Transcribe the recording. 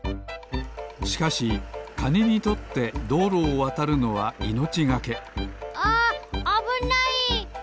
しかしカニにとってどうろをわたるのはいのちがけああっあぶない！